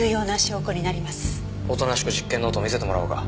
おとなしく実験ノートを見せてもらおうか。